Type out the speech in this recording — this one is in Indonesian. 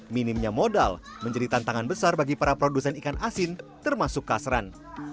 minimnya modal menjadi tantangan besar bagi para produsen ikan asin termasuk kasran